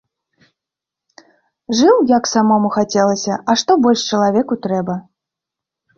Жыў, як самому хацелася, а што больш чалавеку трэба?